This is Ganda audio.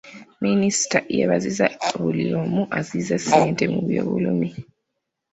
Minisita yeebazizza buli omu asize ssente mu by'obulimi.